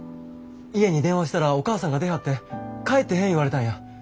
家に電話したらお母さんが出はって帰ってへん言われたんや。